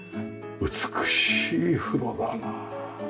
美しい風呂だなあ。